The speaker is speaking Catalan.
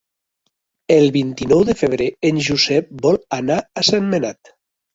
El vint-i-nou de febrer en Josep vol anar a Sentmenat.